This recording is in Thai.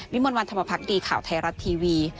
มนต์วันธรรมพักดีข่าวไทยรัฐทีวี